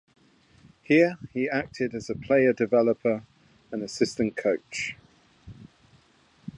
Here, he acted as a player developer and assistant coach.